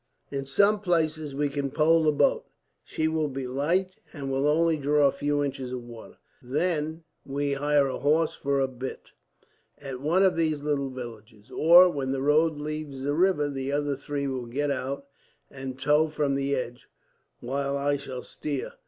"In some places we can pole the boat. She will be light, and will only draw a few inches of water. Then we hire a horse for a bit, at one of these little villages; or, where the road leaves the river, the other three will get out and tow from the edge, while I shall steer.